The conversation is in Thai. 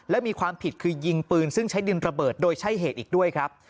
และมีความผิดคือยิงปืนซึ่งใช้ดินระเบิดโดยใช่เหตุอีกด้วยครับ